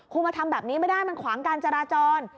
คุณมาทำแบบนี้ไม่ได้มันขวางการจราจร